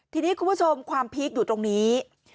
ทีนี้คุณผู้ชมความพีคอยู่ตรงนี้